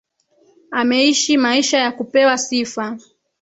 Ameishi maisha ya kupewa sifa.